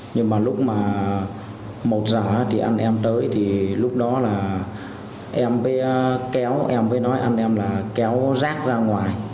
nhưng mà lúc mà một giờ thì anh em tới thì lúc đó là em mới kéo em mới nói anh em là kéo rác ra ngoài